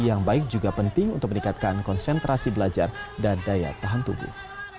yang baik juga penting untuk meningkatkan konsentrasi belajar dan daya tahan tubuh